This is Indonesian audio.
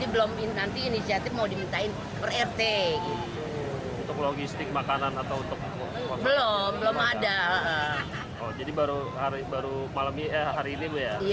baru malam ini hari ini